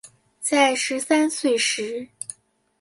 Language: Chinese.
在十三岁时